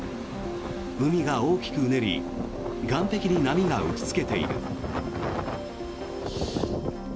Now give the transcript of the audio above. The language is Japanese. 海が大きくうねり岸壁に波が打ちつけている。